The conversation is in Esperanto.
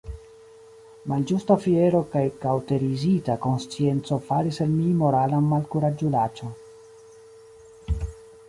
Malĝusta fiero kaj kaŭterizita konscienco faris el mi moralan malkuraĝulaĉon.